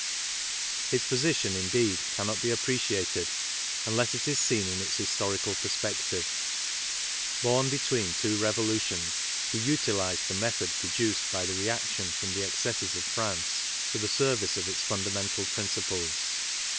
His position, indeed, cannot be appreciated unless it is seen in its historical perspective. Born between two revolutions, he utilized the method produced by the re action from the excesses of France to the service of its fundamental principles.